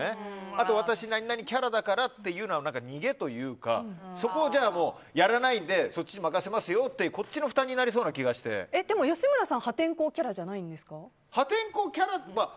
あと、私何々キャラだからっていうのは逃げというかそこをじゃあやらないでそっちに任せますよってこっちの負担にでも、吉村さんは破天荒キャラではないですね。